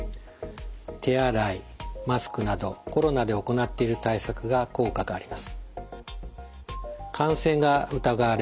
手洗いマスクなどコロナで行っている対策が効果があります。